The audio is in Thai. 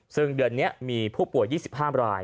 ซึ่งเดือนนี้มีผู้ป่วย๒๕ราย